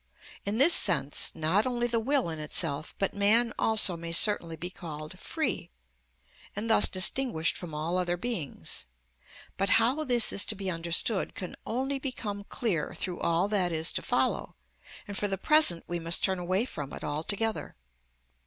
In this sense, not only the will in itself, but man also may certainly be called free, and thus distinguished from all other beings. But how this is to be understood can only become clear through all that is to follow, and for the present we must turn away from it altogether.